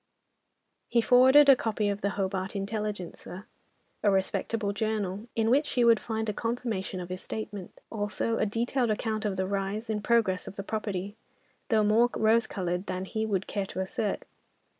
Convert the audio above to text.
He forwarded a copy of the Hobart Intelligencer, a respectable journal, in which she would find a confirmation of his statement. Also, a detailed account of the rise and progress of the property, though more rose coloured than he would care to assert.